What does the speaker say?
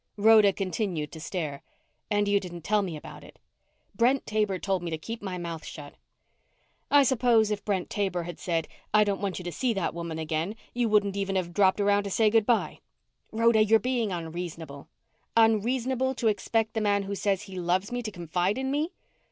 Rhoda continued to stare. "And you didn't tell me about it." "Brent Taber told me to keep my mouth shut." "I suppose if Brent Taber had said, 'I don't want you to see that woman again,' you wouldn't even have dropped around to say good bye." "Rhoda you're being unreasonable." "Unreasonable to expect the man who says he loves me to confide in me?"